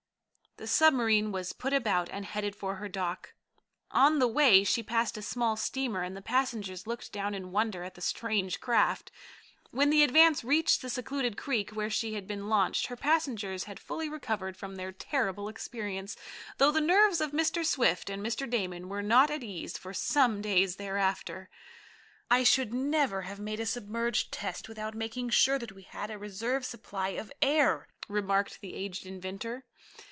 The submarine was put about and headed for her dock. On the way she passed a small steamer, and the passengers looked down in wonder at the strange craft. When the Advance reached the secluded creek where she had been launched, her passengers had fully recovered from their terrible experience, though the nerves of Mr. Swift and Mr. Damon were not at ease for some days thereafter. "I should never have made a submerged test without making sure that we had a reserve supply of air," remarked the aged inventor.